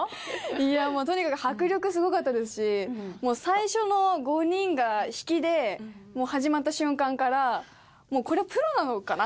いやもうとにかく迫力すごかったですしもう最初の５人が引きで始まった瞬間からもうこれプロなのかな？